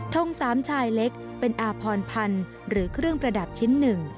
ทงสามชายเล็กเป็นอาพรพันธ์หรือเครื่องประดับชิ้นหนึ่ง